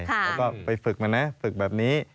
แล้วก็ไปฝึกมานะฝึกแบบนี้